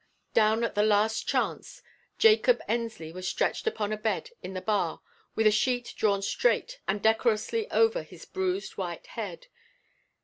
Down at the Last Chance, Jacob Ensley was stretched upon a bed in the bar with a sheet drawn straight and decorously over his bruised white head.